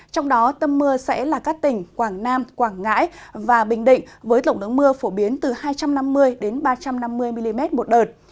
trong đó tâm mưa sẽ là các tỉnh quảng nam quảng ngãi và bình định với tổng lượng mưa phổ biến từ hai trăm năm mươi đến ba trăm năm mươi mm một đợt